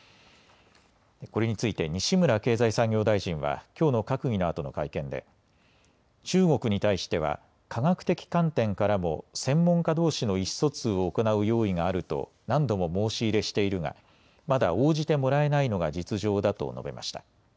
これについて西村経済産業大臣はきょうの閣議のあとの会見で中国に対しては科学的観点からも専門家どうしの意思疎通を行う用意があると何度も申し入れしているがまだ応じてもらえないのが実情だと述べました。